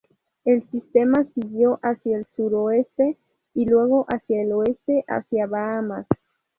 El sistema siguió hacia el suroeste y luego hacia el oeste, hacia Bahamas.